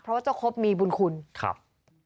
เพราะว่าเจ้าครบมีบุญคุณครับ